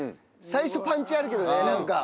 最初パンチあるけどねなんか。